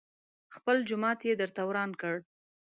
خپل جومات يې درته وران کړ.